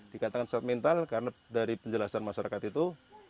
dikatakan sangat mental karena dari penjelasan masyarakat itu